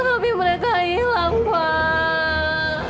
tapi mereka hilang pak